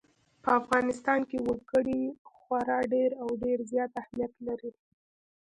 په افغانستان کې وګړي خورا ډېر او ډېر زیات اهمیت لري.